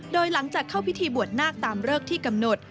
โดยหลังจากเข้าพิธีบวชนาคตามเลิกที่กำหนด